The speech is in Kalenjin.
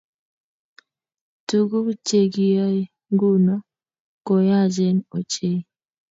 Tuguuk chegiyoe nguno ko yachen ochei